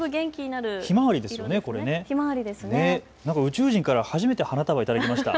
なんか宇宙人から初めて花束、頂きました。